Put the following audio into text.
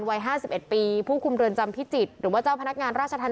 วัยห้าสิบเอ็ดปีผู้คุมเรือนจำพิจิตรหรือว่าเจ้าพนักงานราชทัน